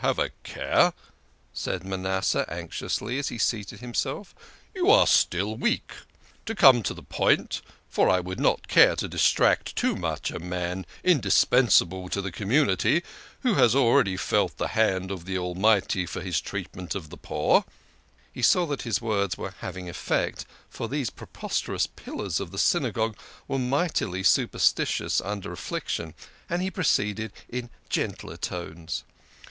Have a care !" said Manas seh anxiously, as he seated himself. " You are still weak. To come to the point for I would not care to distract too much a man indispensable to the community, who has already felt the hand of the Almighty for his treatment of the poor " He saw that his words were having effect, for these pros perous pillars of the Synagogue were mightily superstitious under affliction, and he proceeded in gentler tones.